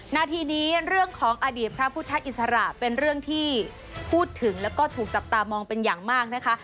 นาทีนี้เรื่องของอดีตพระพุทธอิสระเป็นเรื่องที่พูดถึงแล้วก็ถูกจับตามองเป็นอย่างมากนะคะ